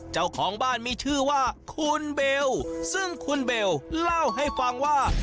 เจ้าของบ้านมีชื่อว่าคุณเบลซึ่งคุณเบลเล่าให้ฟังว่า